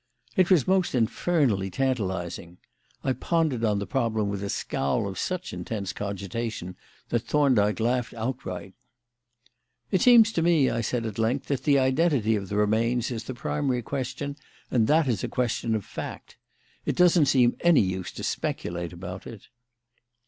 It was most infernally tantalising. I pondered on the problem with a scowl of such intense cogitation that Thorndyke laughed outright. "It seems to me," I said, at length, "that the identity of the remains is the primary question and that is a question of fact. It doesn't seem any use to speculate about it."